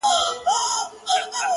جنت د حورو دی؛ دوزخ د سيطانانو ځای دی؛